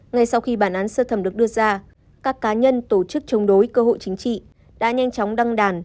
ngay sau khi bản án sơ thẩm được đưa ra các cá nhân tổ chức chống đối cơ hội chính trị đã nhanh chóng đăng đàn